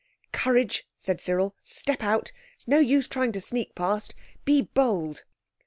"Courage," said Cyril. "Step out. It's no use trying to sneak past. Be bold!"